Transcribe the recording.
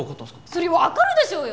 そりゃわかるでしょうよ！